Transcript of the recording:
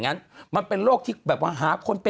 คุณหนุ่มกัญชัยได้เล่าใหญ่ใจความไปสักส่วนใหญ่แล้ว